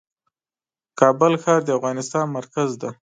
کابل ښار د افغانستان مرکز دی .